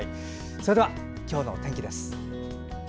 それでは今日の天気です。